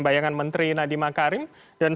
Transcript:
saya ingin mengucapkan terima kasih kepada pak dede